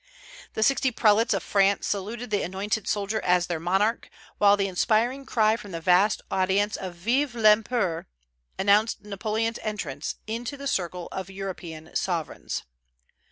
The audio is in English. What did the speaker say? The sixty prelates of France saluted the anointed soldier as their monarch, while the inspiring cry from the vast audience of Vive l'Empereur! announced Napoleon's entrance into the circle of European sovereigns.